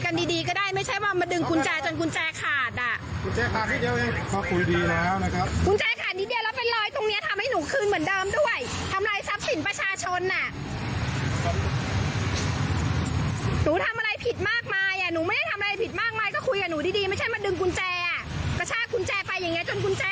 นี่ฉันมาดึงกุญแจกระชากกุญแจไปอย่างเงี้ยจนกุญแจขาดอย่างเงี้ย